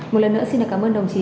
một lần nữa xin cảm ơn đồng chí